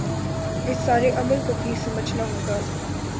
اس سارے عمل کو بھی سمجھنا ہو گا